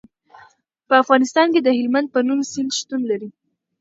په افغانستان کې د هلمند په نوم سیند شتون لري.